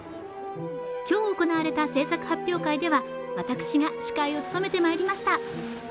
今日行われた制作発表会では私が司会を務めてまいりました。